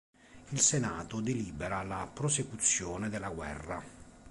Il senato delibera la prosecuzione della guerra.